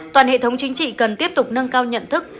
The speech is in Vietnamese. toàn hệ thống chính trị cần tiếp tục nâng cao nhận thức